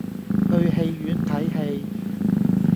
去戲院睇戯